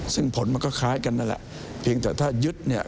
ซึ่งผลมันก็คล้ายกันนั่นแหละเพียงแต่ถ้ายึดเนี่ย